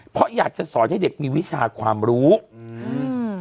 เพราะอยากจะสอนให้เด็กมีวิชาความรู้อืม